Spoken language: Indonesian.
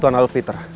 tuan adok peter